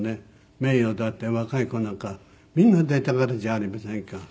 名誉だって若い子なんかみんな出たがるじゃありませんか。